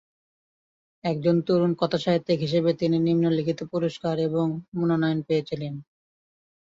একজন তরুণ কথাসাহিত্যিক হিসাবে তিনি নিম্নলিখিত পুরস্কার এবং মনোনয়ন পেয়েছিলেন।